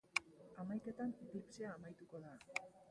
Hamaiketan eklipsea amaituko da.